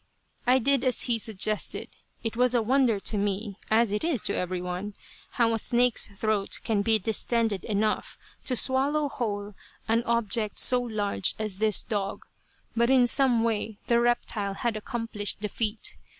I did as he suggested. It was a wonder to me, as it is to every one, how a snake's throat can be distended enough to swallow whole an object so large as this dog, but in some way the reptile had accomplished the feat.